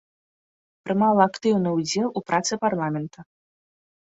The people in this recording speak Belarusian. Прымала актыўны ўдзел у працы парламента.